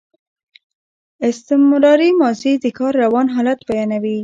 استمراري ماضي د کار روان حالت بیانوي.